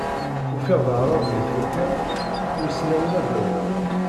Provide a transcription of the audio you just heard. Ufiɣ-d Aɛrab di tferka-w, ur s-nniɣ ula d awal.